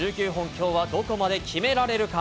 きょうはどこまで決められるか。